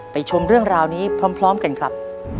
ชมเรื่องราวนี้พร้อมกันครับ